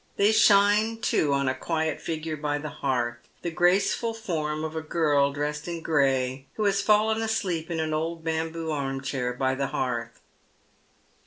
They shine, too, on a quiet figure by the hearth, the gracefxil form of a girl dressed in gray, who has fallen asleep in an old bamboo arm chair by the hearth.